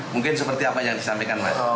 mungkin seperti apa yang disampaikan mas